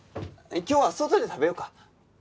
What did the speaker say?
今日は外で食べようか。